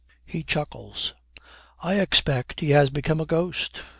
He chuckles, 'I expect he has become a ghost!'